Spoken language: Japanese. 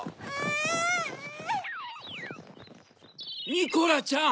ニコラちゃん！